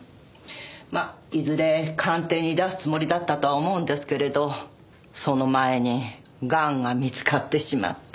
まあいずれ鑑定に出すつもりだったとは思うんですけれどその前にがんが見つかってしまって。